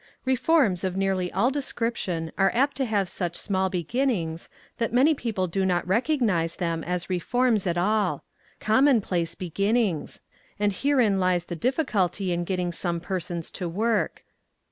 REFORMS of nearly all description are apt to have such small beginnings that many people do not recognize them as reforms at all. Commonplace beginnings — and herein lies the difficulty in getting some persons to work.